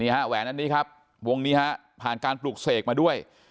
แหวนอันนี้ครับวงนี้ฮะผ่านการปลูกเสกมาด้วย